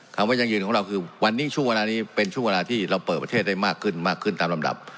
คำว่ายังยืนของเราคือวันนี้ช่วงเวลานี้เป็นช่วงเวลาที่เราเปิดประเทศได้มากขึ้นมากขึ้นตามลำดับ